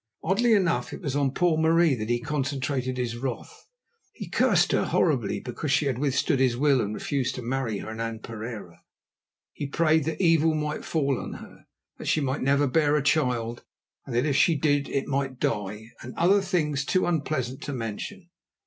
Oddly enough, it was on poor Marie that he concentrated his wrath. He cursed her horribly because she had withstood his will and refused to marry Hernan Pereira. He prayed that evil might fall on her; that she might never bear a child, and that if she did, it might die, and other things too unpleasant to mention.